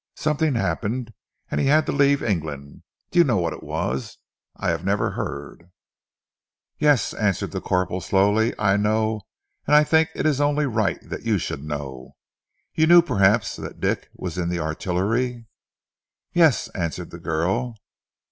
Something happened and he had to leave England. Do you know what it was? I have never heard." "Yes," answered the corporal slowly. "I know, and I think it is only right that you should know. You knew perhaps that Dick was in the Artillery?" "Yes!" answered the girl.